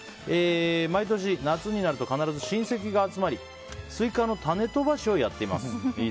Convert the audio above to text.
毎年夏になると必ず親戚が集まりスイカの種飛ばしをやっています。